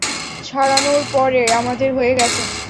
ছাড়ানোর পরে, আমাদের হয়ে গেছে।